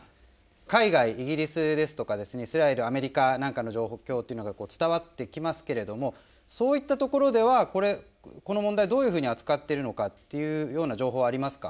海外イギリスですとかイスラエルアメリカなんかの状況というのが伝わってきますけれどもそういったところではこの問題どういうふうに扱ってるのかっていうような情報はありますか。